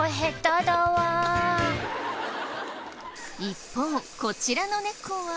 一方こちらのネコは。